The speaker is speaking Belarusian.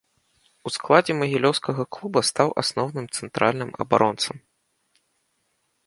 У складзе магілёўскага клуба стаў асноўным цэнтральным абаронцам.